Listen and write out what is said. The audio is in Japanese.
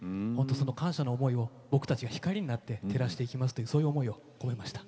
その感謝の思いを僕たちが光になって照らしていきますというそういう思いを込めました。